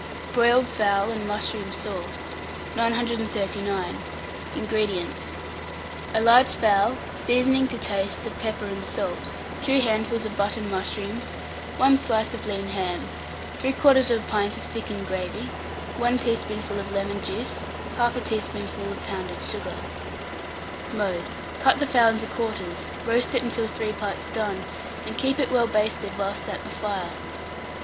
BROILED FOWL AND MUSHROOM SAUCE. 939. INGREDIENTS. A large fowl, seasoning, to taste, of pepper and salt, 2 handfuls of button mushrooms, 1 slice of lean ham, 3/4 pint of thickened gravy, 1 teaspoonful of lemon juice, 1/2 teaspoonful of pounded sugar. Mode. Cut the fowl into quarters, roast it until three parts done, and keep it well basted whilst at the fire.